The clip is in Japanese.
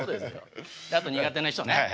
あと苦手な人ね。